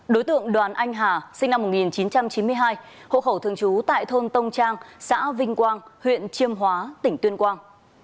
đối tượng đoàn anh hà sinh năm một nghìn chín trăm chín mươi hai hộ khẩu thường trú tại thôn tông trang xã vinh quang huyện chiêm hóa tỉnh tuyên quang